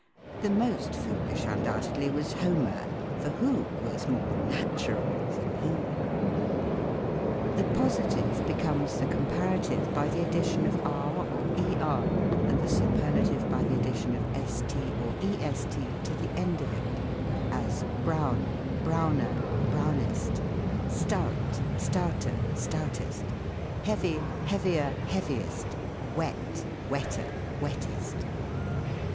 The most foolish, undoubtedly, was Homer ; for who was more natural than he ? The positive becomes the comparative by the addi tion of r or er ; and the superlative by the addition of St or est to the end of it ; as, brown, browner, brown est ; stout, stouter, stoutest ; heavy, heavier, heaviest ; wet, wetter, wettest.